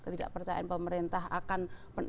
tidak percaya pemerintah akan